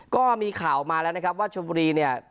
ก็มีข่าวออกมาแล้วนะครับว่าชมบุรีเนี่ย